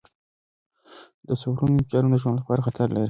د سوپرنووا انفجارونه د ژوند لپاره خطر لري.